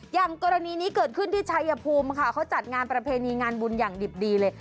อย่างกรณีนี้เกิดขึ้นที่ชายภูมิค่ะเขาจัดงานประเพณีงานบุญอย่างดิบดีเลย